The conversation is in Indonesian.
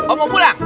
oh mau pulang